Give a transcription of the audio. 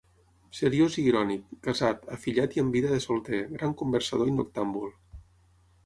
Seriós i irònic, casat, afillat i amb vida de solter, gran conversador i noctàmbul.